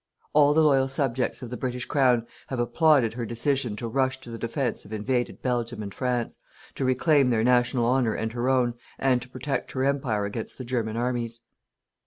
All the loyal subjects of the British Crown have applauded her decision to rush to the defence of invaded Belgium and France, to reclaim their national honour and her own, and to protect her Empire against the German armies."